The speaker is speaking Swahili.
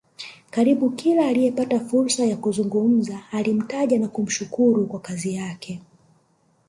Karibu kila aliyepata fursa ya kuzungumza alimtaja na kumshukuru kwa kazi yake